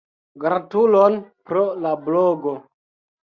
Gratulon pro la blogo.